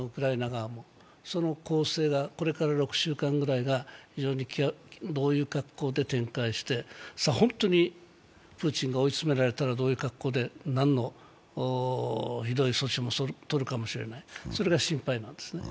その攻勢がこれから６週間ぐらいがどういう格好で展開して、本当にプーチンが追い詰められたらどういう格好で、何の、ひどい措置をとるかもしれない、それが心配なんですね。